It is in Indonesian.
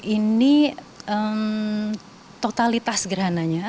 ini totalitas gerhananya